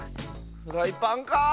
フライパンか？